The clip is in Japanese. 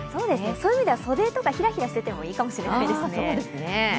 そういう意味では袖とかヒラヒラしていてもいいかもしれないですね。